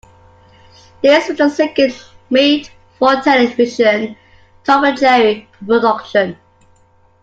This was the second made-for-television "Tom and Jerry" production.